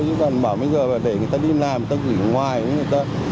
nhưng mà bảo bây giờ để người ta đi làm người ta gửi ngoài